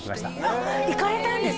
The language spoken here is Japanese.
あっ行かれたんですか？